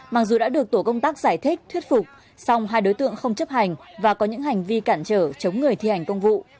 mặc dù đã được tổ công tác giải thích thuyết phục song hai đối tượng không chấp hành và có những hành vi cản trở chống người thi hành công vụ